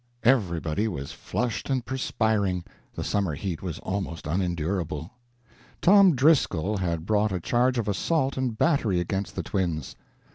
Everybody was flushed and perspiring; the summer heat was almost unendurable. Tom Driscoll had brought a charge of assault and battery against the twins.